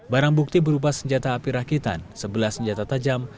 barang bukti berupa senjata api rakitan sebelah senjata tajam